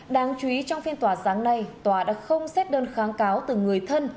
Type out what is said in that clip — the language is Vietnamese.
đáng chú ý trong phiên tòa sáng nay tòa đã không xét đơn kháng cáo từ người thân